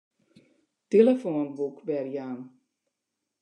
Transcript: Tillefoanboek werjaan.